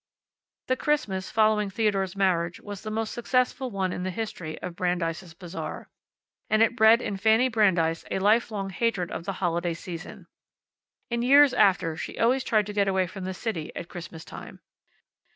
The Christmas following Theodore's marriage was the most successful one in the history of Brandeis' Bazaar. And it bred in Fanny Brandeis a lifelong hatred of the holiday season. In years after she always tried to get away from the city at Christmas time.